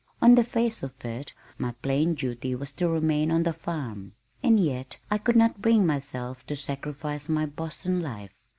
On the face of it, my plain duty was to remain on the farm, and yet I could not bring myself to sacrifice my Boston life.